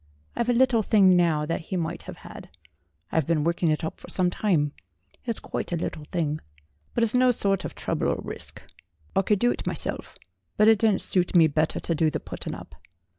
I've a little thing now that he might have had. I've been working it up for some time. It's quite a little thing, but it's no sort of trouble or risk. 154 STORIES WITHOUT TEARS I could do it myself if it didn't suit me better to do the putting up.